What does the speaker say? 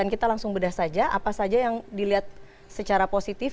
dan kita langsung bedah saja apa saja yang dilihat secara positif